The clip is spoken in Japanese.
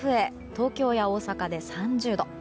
東京や大阪で３０度。